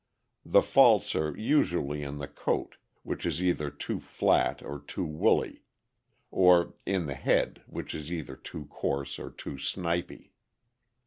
The faults are usu ally in the coat, which is either too flat or too woolly; or in the head, which is either too coarse or too snipy.